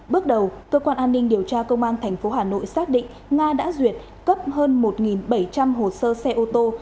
bước đầu cơ quan an ninh điều tra công an tp hà nội xác định nga đã duyệt cấp hơn một bảy trăm linh hồ sơ xe ô tô